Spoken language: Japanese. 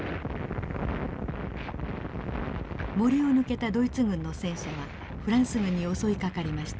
森を抜けたドイツ軍の戦車はフランス軍に襲いかかりました。